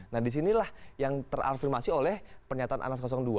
nah di sinilah yang terafirmasi oleh pernyataan anas dua